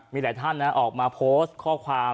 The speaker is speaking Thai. มีหลายท่านออกมาโพสต์ข้อความ